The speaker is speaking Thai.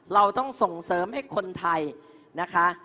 เราต้องส่งเสริมให้คนไทยนะคะ